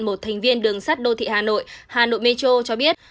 một thành viên đường sắt đô thị hà nội hà nội metro cho biết